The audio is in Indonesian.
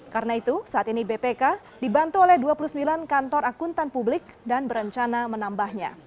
karena itu saat ini bpk dibantu oleh dua puluh sembilan kantor akuntan publik dan berencana menambahnya